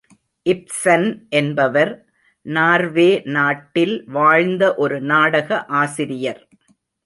இப்சன் என்பவர் நார்வே நாட்டில் வாழ்ந்த ஒரு நாடக ஆசிரியர்.